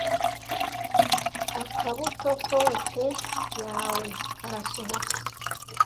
Akabuto kote yawe karasohoka.